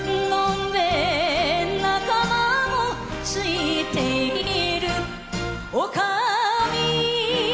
ン兵仲間もついているおかみ！